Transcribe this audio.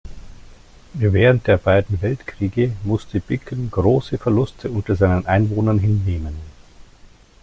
Während der beiden Weltkriege musste Bicken große Verluste unter seinen Einwohnern hinnehmen.